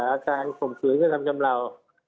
อาการสมคืนการทำจำเลา